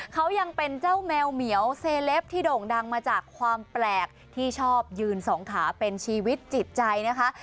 เขายังเป็นเจ้าแมวเหมียวเซเลปที่โด่งดังมาจากความแปลกที่ชอบยืนสองขาเป็นชีวิตจิตใจนะคะ